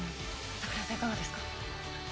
櫻井さん、いかがですか。